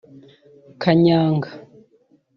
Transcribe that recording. kanyanga)